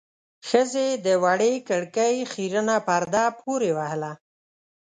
ښځې د وړې کړکۍ خيرنه پرده پورې وهله.